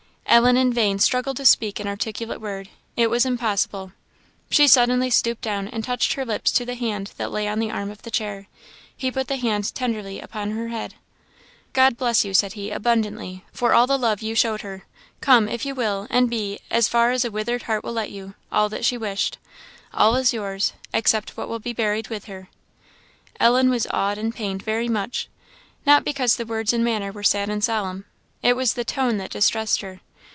Ellen in vain struggled to speak an articulate word; it was impossible; she suddenly stooped down and touched her lips to the hand that lay on the arm of the chair. He put the hand tenderly upon her head. "God bless you," said he, "abundantly, for all the love you showed her. Come if you will and be, as far as a withered heart will let you, all that she wished. All is yours except what will be buried with her." Ellen was awed and pained very much. Not because the words and manner were sad and solemn; it was the tone that distressed her.